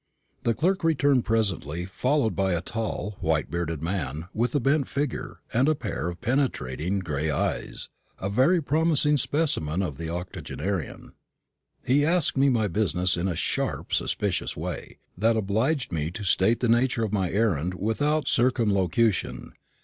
The clerk returned presently, followed by a tall, white bearded man, with a bent figure, and a pair of penetrating gray eyes a very promising specimen of the octogenarian. He asked me my business in a sharp suspicious way, that obliged me to state the nature of my errand without circumlocution.